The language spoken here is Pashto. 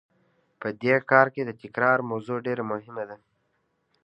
په دې کار کې د تکرار موضوع ډېره مهمه ده.